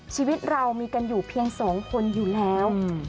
ชีวิตเรามีกันอยู่เพียง๒คนอยู่แล้ว